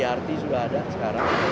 prt sudah ada sekarang